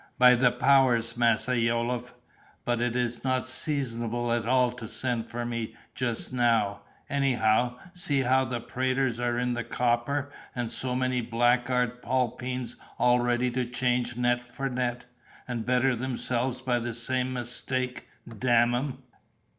"By the powers, Massa Yolliffe, but it is not seasonable at all to send for me just now, anyhow, seeing how the praters are in the copper and so many blackguard 'palpeens all ready to change net for net, and better themselves by the same mistake, 'dam um.